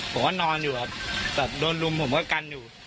ผมก็นอนอยู่ครับแบบโดนรุมผมก็กันอยู่